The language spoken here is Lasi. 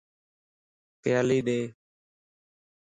پيالي ڏي